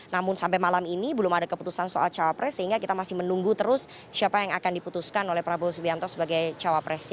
namun sampai malam ini belum ada keputusan soal cawapres sehingga kita masih menunggu terus siapa yang akan diputuskan oleh prabowo subianto sebagai cawapresnya